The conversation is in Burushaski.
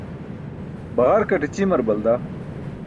Baġarkate ćimar balda.